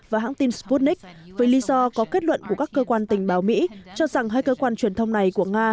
và hãng tin sputnik với lý do có kết luận của các cơ quan tình báo mỹ cho rằng hai cơ quan truyền thông này của nga